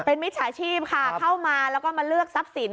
เป็นมิจฉาชีพค่ะเข้ามาแล้วก็มาเลือกทรัพย์สิน